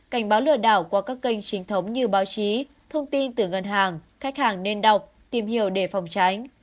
cảnh báo lừa đảo qua các kênh chính thống như báo chí thông tin từ ngân hàng khách hàng nên đọc tìm hiểu để phòng tránh